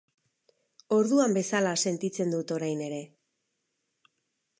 Orduan bezala sentitzen dut orain ere.